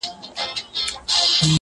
په ملي بیرغ کې د غنمو وږی